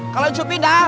kalau ncoy pindah